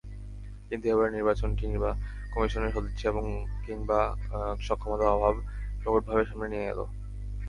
কিন্তু এবারের নির্বাচনটি কমিশনের সদিচ্ছা কিংবা সক্ষমতার অভাব প্রকটভাবে সামনে নিয়ে এল।